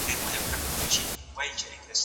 زخمونه باید په صبر سره تېر کړل شي.